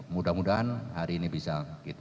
mudah mudahan hari ini bisa kita